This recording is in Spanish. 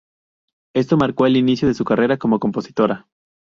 Esto marcó el inicio de su carrera como compositora.